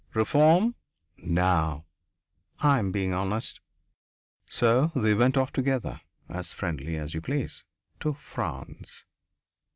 Reform? No! I am being honest." So they went off together, as friendly as you please, to France.